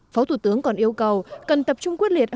phó thủ tướng chính phủ đã đề nghị các tàu cá của việt nam